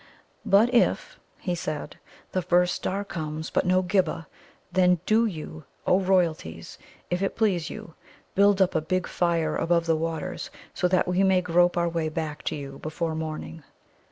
"But if," he said, "the first star comes, but no Ghibba, then do you, O Royalties, if it please you, build up a big fire above the waters, so that we may grope our way back to you before morning."